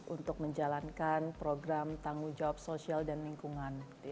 untuk menjalankan program tanggung jawab sosial dan lingkungan